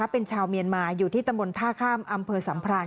เป็นชาวเมียนมาอยู่ที่ตำบลท่าข้ามอำเภอสัมพราน